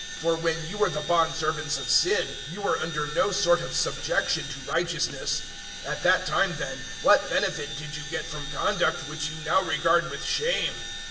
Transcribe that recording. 006:020 For when you were the bondservants of sin, you were under no sort of subjection to Righteousness. 006:021 At that time, then, what benefit did you get from conduct which you now regard with shame?